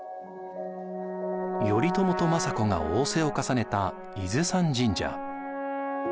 頼朝と政子がおうせを重ねた伊豆山神社。